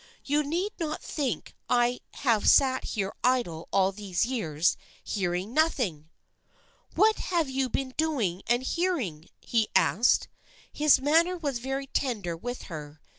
You need not think I have sat here idle all these years hearing nothing !"" What have you been doing and hearing ?" he asked. His manner was very tender with her.